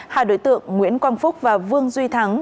hai đối tượng nguyễn quang phúc và vương duy thắng